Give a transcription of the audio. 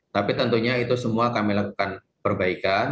tapi tentunya itu semua kami lakukan perbaikan